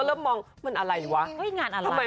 เซอร์ไพรส์ไง